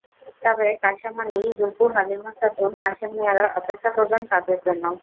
তবে কাশেম আলী, রুকু, হালিমা খাতুন, হাশেম মিয়ারা অপেক্ষা করবেন কাজের জন্য।